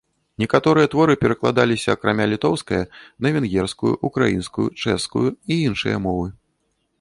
Некаторыя творы перакладаліся, акрамя літоўскае, на венгерскую, украінскую, чэшскую і іншыя мовы.